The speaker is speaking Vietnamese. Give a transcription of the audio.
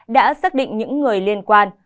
đã xác định những người liên quan